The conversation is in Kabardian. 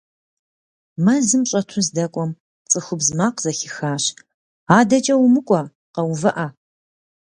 Мэзым щӀэту здэкӀуэм, цӏыхубз макъ зэхихащ: «АдэкӀэ умыкӀуэ, къэувыӀэ!».